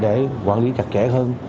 để quản lý chặt chẽ hơn